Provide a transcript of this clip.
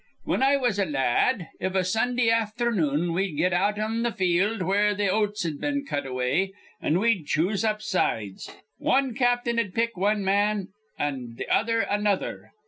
"Whin I was a la ad, iv a Sundah afthernoon we'd get out in th' field where th' oats'd been cut away, an' we'd choose up sides. Wan cap'n'd pick one man, an' th' other another.